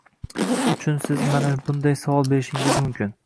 uchun siz mana bunday savol berishingiz mumkin: